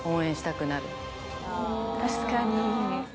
確かに。